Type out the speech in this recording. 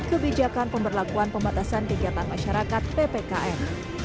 kebijakan pemberlakuan pembatasan kegiatan masyarakat ppkm